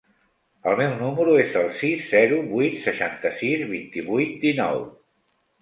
El meu número es el sis, zero, vuit, seixanta-sis, vint-i-vuit, dinou.